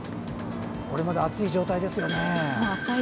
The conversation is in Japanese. これ、まだ熱い状態ですよね。